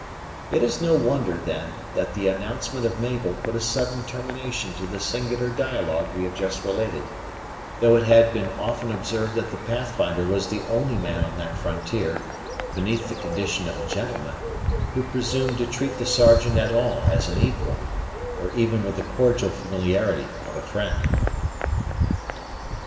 It is no wonder, then, that the announcement of Mabel put a sudden termination to the singular dialogue we have just related, though it had been often observed that the Pathfinder was the only man on that frontier, beneath the condition of a gentleman, who presumed to treat the Sergeant at all as an equal, or even with the cordial familiarity of a friend.